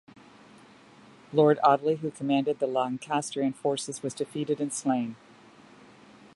Lord Audley, who commanded the Lancastrian forces was defeated and slain.